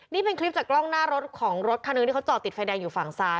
นี่เป็นคลิปจากกล้องหน้ารถของรถคันหนึ่งที่เขาจอดติดไฟแดงอยู่ฝั่งซ้าย